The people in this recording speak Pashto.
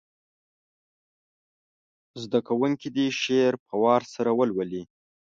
زده کوونکي دې شعر په وار سره ولولي.